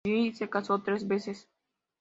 Allí se casó tres veces.